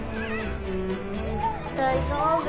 大丈夫。